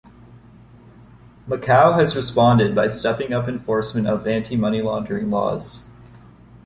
Macau has responded by stepping up enforcement of anti money laundering laws.